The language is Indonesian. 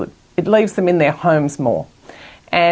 itu membuat mereka lebih berada di rumah mereka